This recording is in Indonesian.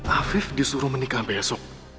afif disuruh menikah besok